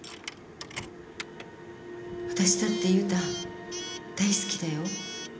私だって悠太大好きだよ。